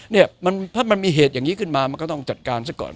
เนี่ยถ้ามันมีเหตุอย่างนี้ขึ้นมามันก็ต้องจัดการซะก่อน